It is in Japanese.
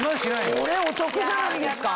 これお得じゃないですか？